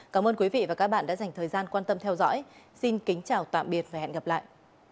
cảm ơn quý vị và các bạn đã dành thời gian quan tâm theo dõi xin kính chào tạm biệt và hẹn gặp lại